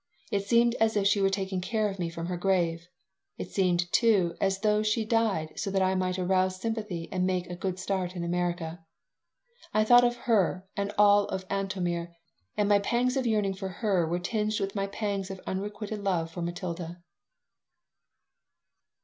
It seemed as if she were taking care of me from her grave. It seemed, too, as though she had died so that I might arouse sympathy and make a good start in America. I thought of her and of all Antomir, and my pangs of yearning for her were tinged with pangs of my unrequited love for Matilda.